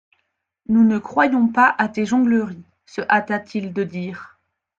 Nous ne croyons pas à tes jongleries, se hâta-t-il de dire.